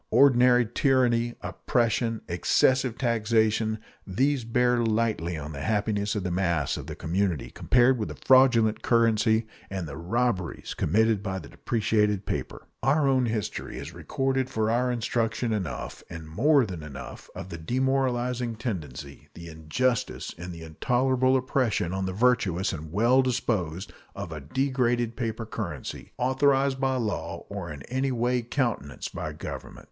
Ordinary tyranny, oppression, excessive taxation these bear lightly on the happiness of the mass of the community compared with a fraudulent currency and the robberies committed by depreciated paper. Our own history has recorded for our instruction enough, and more than enough, of the demoralizing tendency, the injustice, and the intolerable oppression on the virtuous and well disposed of a degraded paper currency authorized by law or in any way countenanced by government.